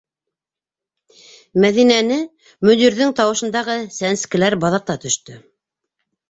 — Мәҙинәне мөдирҙең тауышындағы сәнскеләр баҙата төштө.